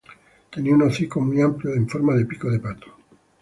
Tenía un hocico muy amplio en forma de pico de pato.